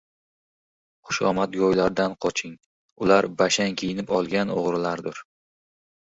Xushomadgo‘ylardan qoching — ular bashang kiyinib olgan o‘g‘-rilardir.